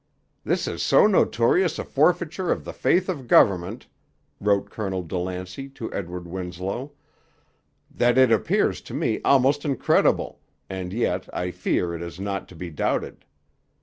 'This is so notorious a forfeiture of the faith of government,' wrote Colonel De Lancey to Edward Winslow, 'that it appears to me almost incredible, and yet I fear it is not to be doubted.